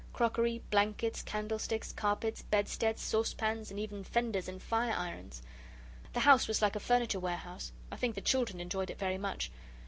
Crockery, blankets, candlesticks, carpets, bedsteads, saucepans, and even fenders and fire irons. The house was like a furniture warehouse. I think the children enjoyed it very much.